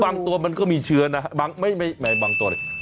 บางตัวมันก็มีเชื้อนะไม่บางตัวเท่าไหร่